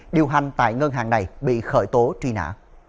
điều hành tại ngân hàng này bị khởi tố truy nã